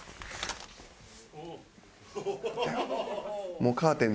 もうカーテン